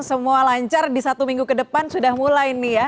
semua lancar di satu minggu ke depan sudah mulai nih ya